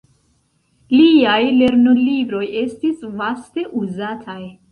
Liaj lernolibroj estis vaste uzataj.